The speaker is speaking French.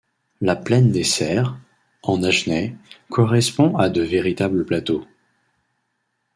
La plaine des Serres, en Agenais, correspond à de véritables plateaux.